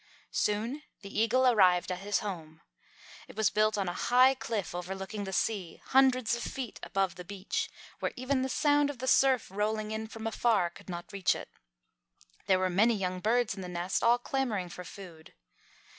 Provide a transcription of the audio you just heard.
Soon the Eagle arrived at his home. It was built on a high cliff overlooking the sea, hundreds of feet above the beach, where even the sound of the surf rolling in from afar could not reach it. There were many young birds in the nest, all clamouring for food.